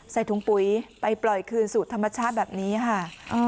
ใส่ถุงปุ๋ยไปปล่อยคืนสู่ธรรมชาติแบบนี้ค่ะ